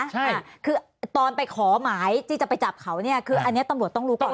ใช่คือตอนไปขอหมายที่จะไปจับเขาเนี่ยคืออันนี้ตำรวจต้องรู้ก่อน